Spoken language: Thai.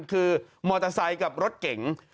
คือมอเตอร์ไซค์กับรถเก๋ง